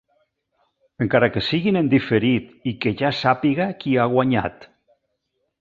Encara que siguin en diferit i que ja sàpiga qui ha guanyat.